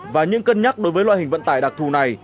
và những cân nhắc đối với loại hình vận tải đặc thù này